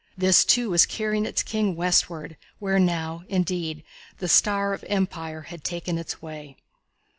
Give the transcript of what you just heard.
This, too, was carrying its King westward, where now, indeed, the star of empire had taken its way.